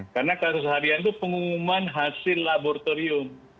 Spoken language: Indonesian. karena kasus seharian itu pengumuman hasil laboratorium